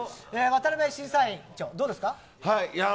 審査員長どうですか。